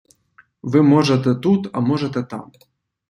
Ви можете тут, а можете там.